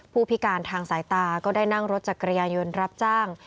ผู้พิการทางสายตาก็ได้นั่งรถจักรยานยนต์รับจ้าง